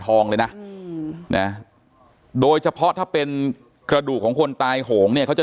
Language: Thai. ทองเลยนะโดยเฉพาะถ้าเป็นกระดูกของคนตายโหงเนี่ยเขาจะ